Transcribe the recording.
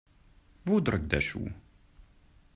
Wo drückt der Schuh?